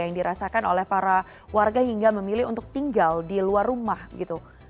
yang dirasakan oleh para warga hingga memilih untuk tinggal di luar rumah gitu